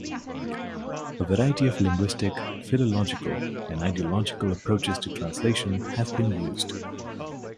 A variety of linguistic, philological and ideological approaches to translation have been used.